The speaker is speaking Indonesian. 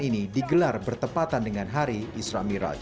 ini digelar bertepatan dengan hari isra miraj